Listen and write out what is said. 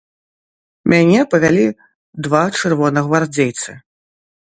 Мяне павялі два чырвонагвардзейцы.